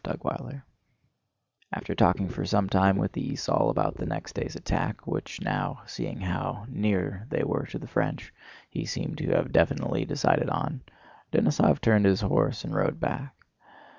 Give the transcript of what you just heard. CHAPTER VI After talking for some time with the esaul about next day's attack, which now, seeing how near they were to the French, he seemed to have definitely decided on, Denísov turned his horse and rode back.